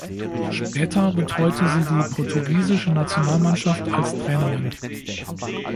Später betreute sie die portugiesische Nationalmannschaft als Trainerin.